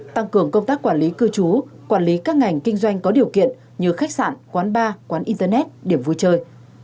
tăng cường công tác quản lý cư trú quản lý các ngành kinh doanh có điều kiện như khách sạn quán bar quán internet điểm vui chơi